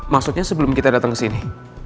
maksudnya sebelum kita datang kesini